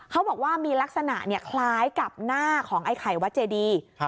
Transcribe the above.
เขาบอกว่ามีลักษณะคล้ายกับหน้าของไอ้ไข่วัดเจดี